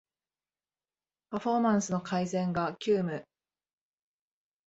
パフォーマンスの改善が急務